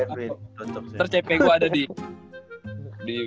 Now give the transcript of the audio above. ter cepe gue ada di bawah